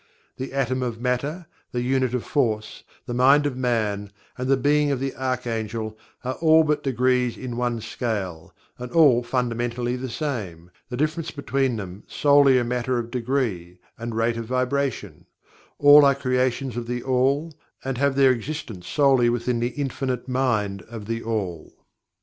The atom of matter, the unit of force, the mind of man, and the being of the arch angel are all but degrees in one scale, and all fundamentally the same, the difference between solely a matter of degree, and rate of vibration all are creations of THE ALL, and have their existence solely within the Infinite Mind of THE ALL.